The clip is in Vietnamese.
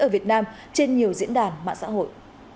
ở việt nam trên nhiều diễn đàn mạng xã hội